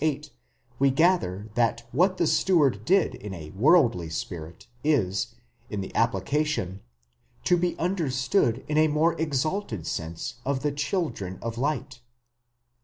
8 we gather that what the steward did m a worldly spirit is, in the application, to be understood in a more exalted sense of the children of light.